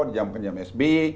dijamkan zaman sby